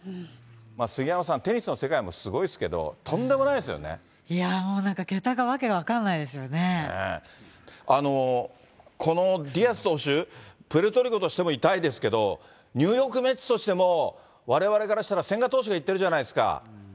杉山さん、テニスの世界もすごいいやー、もうなんか桁がもうこのディアス投手、プエルトリコとしても痛いですけど、ニューヨークメッツとしてもわれわれからしたら、千賀投手がいってるじゃないですか。